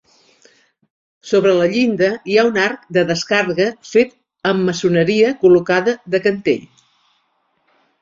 Sobre la llinda hi ha un arc de descàrrega fet amb maçoneria col·locada de cantell.